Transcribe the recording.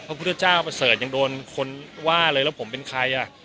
พระพุทธเจ้าประเสริฐยังโดนคนว่าเลยแล้วผมเป็นใครอ่ะ